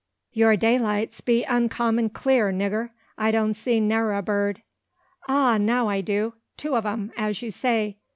"Your daylights be uncommon clear, nigger. I don't see ne'er a bird Ah, now I do! two of 'em, as you say.